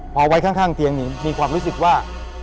พอไว้ข้างเตียงมีความรู้สึกว่า